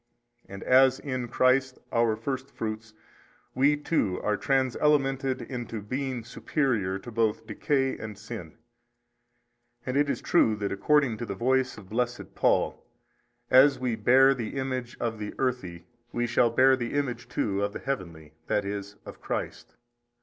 And as in Christ our first fruits, we too are trans elemented into being superior to both decay and sin. And it is true that according to the voice of blessed Paul, As we hare the image of the earthy we shall hear the image too of the heavenly, i.e. of Christ.